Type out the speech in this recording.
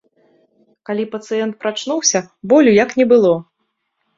Калі пацыент прачнуўся, болю як не было.